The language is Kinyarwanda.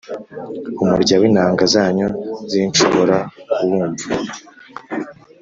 umurya w’inanga zanyu sinshobora kuwumva.